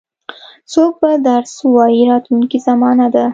څوک به درس ووایي راتلونکې زمانه ده.